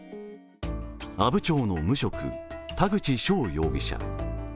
阿武町の無職、田口翔容疑者。